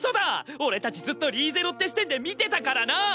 俺たちずっとリーゼロッテ視点で見てたからな。